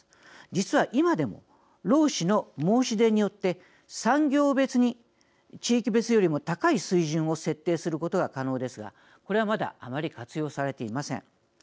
実は、今でも労使の申し出によって産業別に地域別よりも高い水準を設定することが可能ですがこれはまだ、あまり活用されていません。